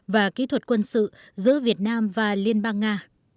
và kỹ thuật quân sự giữa việt nam và liên bang nga